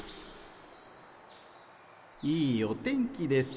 いいお天気です。